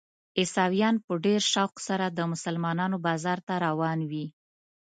عیسویان په ډېر شوق سره د مسلمانانو بازار ته روان وي.